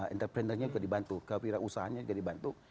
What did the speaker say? entrepreneur nya juga dibantu kawiran usahanya juga dibantu